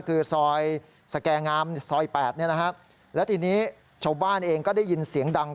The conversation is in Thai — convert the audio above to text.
คือซอยสแกงามซอย๘เนี่ยนะฮะและทีนี้ชาวบ้านเองก็ได้ยินเสียงดัง